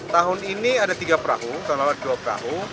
tahun ini ada tiga perahu tahun lalu ada dua perahu